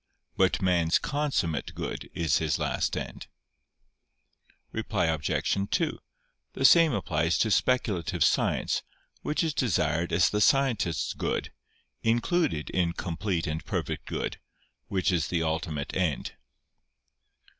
But man's consummate good is his last end. Reply Obj. 2: The same applies to speculative science; which is desired as the scientist's good, included in complete and perfect good, which is the ultimate end.